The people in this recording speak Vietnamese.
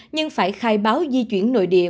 nhưng phải khai báo di chuyển nội địa